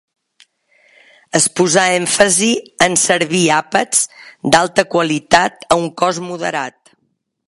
Es posa èmfasi en servir àpats d'alta qualitat a un cost moderat.